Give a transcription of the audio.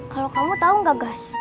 kalo kamu tau gak gas